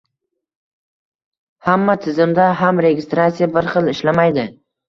Hamma tizimda ham registratsiya bir xil ishlamaydi